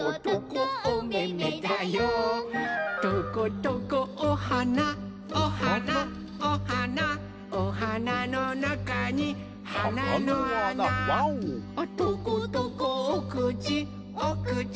「トコトコおはなおはなおはなおはなのなかにはなのあな」「トコトコおくちおくち